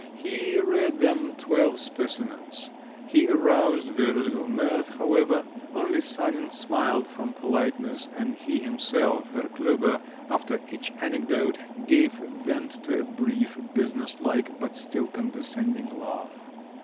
He read them twelve specimens; he aroused very little mirth, however; only Sanin smiled, from politeness, and he himself, Herr Klüber, after each anecdote, gave vent to a brief, business like, but still condescending laugh.